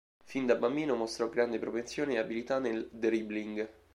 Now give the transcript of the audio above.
Fin da bambino mostrò grande propensione e abilità nel "dribbling".